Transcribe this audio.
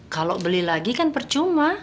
kalau beli lagi kan percuma